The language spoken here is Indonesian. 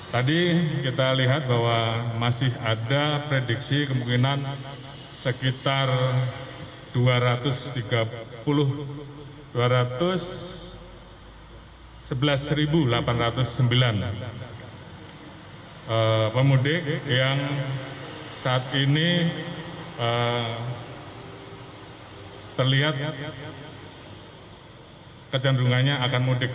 tadi kita lihat bahwa masih ada prediksi kemungkinan sekitar dua ratus tiga puluh satu delapan ratus sembilan pemudik yang saat ini terlihat kejendungannya akan mudik